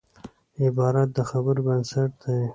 عبارت د خبرو بنسټ دئ.